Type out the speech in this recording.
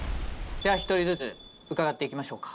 では１人ずつ伺っていきましょうか。